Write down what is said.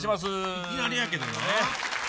いきなりやけどな。